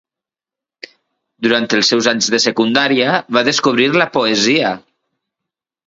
Durant els seus anys de secundària va descobrir la poesia.